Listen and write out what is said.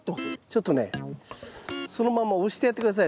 ちょっとねそのまんま押してやって下さい。